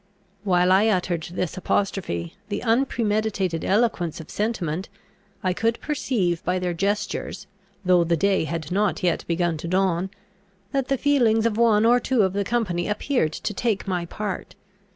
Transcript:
While I uttered this apostrophe, the unpremeditated eloquence of sentiment, I could perceive by their gestures, though the day had not yet begun to dawn, that the feelings of one or two of the company appeared to take my part.